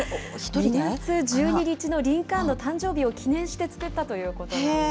２月１２日のリンカーンの誕生日を記念して作ったということなんです。